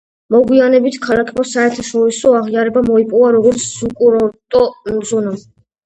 მოგვიანებით ქალაქმა საერთაშორისო აღიარება მოიპოვა როგორც საკურორტო ზონამ.